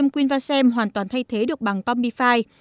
quinvasem hoàn toàn thay thế được bằng combify